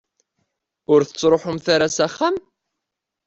Ur tettruḥumt ara s axxam?